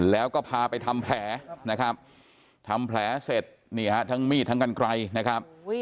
แล้วก็พาไปทำแผลนะครับทำแผลเสร็จนี่ฮะทั้งมีดทั้งกันไกลนะครับ